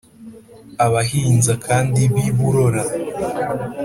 abahinza kandi b'i burora